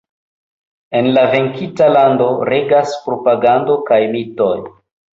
En la venkinta lando regas propagando kaj mitoj.